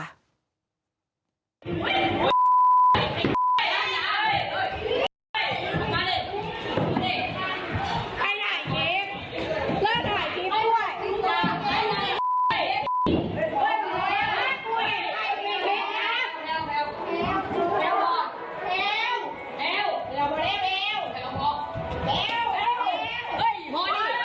อันนี้คลิปนะ